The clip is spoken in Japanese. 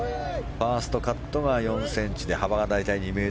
ファーストカットが４ｃｍで幅が大体２ｍ